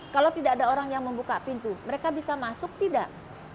kalau tidak ada orang yang membuka pintu mereka bisa masuk tidak